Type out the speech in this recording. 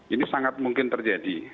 ini sangat mungkin terjadi